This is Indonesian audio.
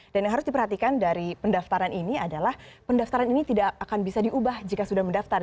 dan yang harus diperhatikan dari pendaftaran ini adalah pendaftaran ini tidak akan bisa diubah jika sudah mendaftar